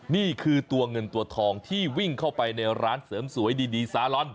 นี่คือตัวเงินตัวทองที่วิ่งเข้าไปในร้านเสริมสวยดีซาลอน